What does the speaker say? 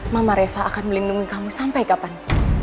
mama refa akan melindungi kamu sampai kapan